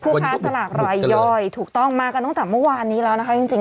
ค้าสลากรายย่อยถูกต้องมากันตั้งแต่เมื่อวานนี้แล้วนะคะจริง